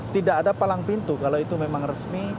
tidak ada palang pintu kalau itu memang resmi